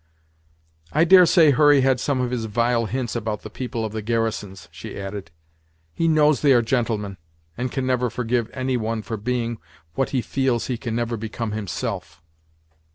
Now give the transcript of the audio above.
"I dare say Hurry had some of his vile hints about the people of the garrisons," she added. "He knows they are gentlemen, and can never forgive any one for being what he feels he can never become himself."